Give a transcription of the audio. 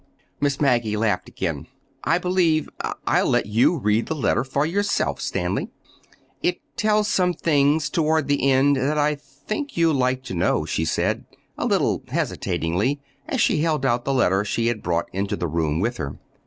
Miss Maggie laughed again. "I believe—I'll let you read the letter for yourself, Stanley. It tells some things, toward the end that I think you'll like to know," she said, a little hesitatingly, as she held out the letter she had brought into the room with her.